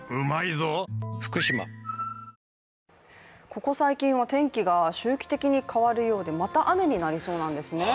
ここ最近は天気が周期的に変わるようでまた雨になりそうなんですね。